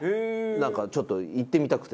なんかちょっと行ってみたくて。